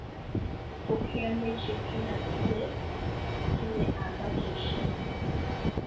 Fukia miche kina kile kile ambacho shina